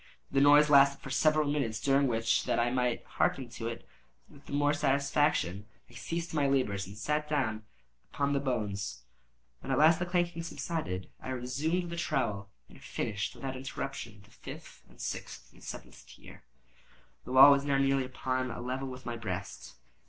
The noise lasted for several minutes, during which, that I might hearken to it with the more satisfaction, I ceased my labors and sat down upon the bones. When at last the clanking subsided, I resumed the trowel, and finished without interruption the fifth, the sixth, and the seventh tier. The wall was now nearly upon a level with my breast.